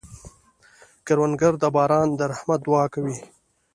کروندګر د باران د رحمت دعا کوي